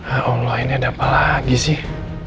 ya allah ini ada apa lagi sih